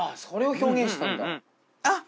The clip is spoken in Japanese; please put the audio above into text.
それを表現したんだ。